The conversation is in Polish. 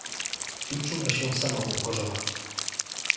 "I czuła się sama upokorzona."